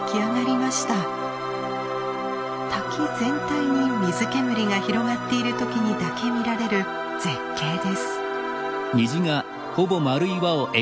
滝全体に水煙が広がっている時にだけ見られる絶景です。